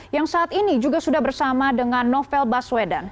yang saat ini juga sudah bersama dengan novel baswedan